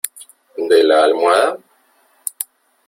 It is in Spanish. de la almohada ?